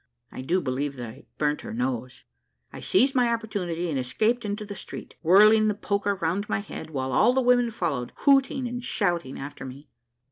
(I do believe that I burnt her nose.) I seized my opportunity, and escaped into the street, whirling the poker round my head, while all the women followed, hooting and shouting after me.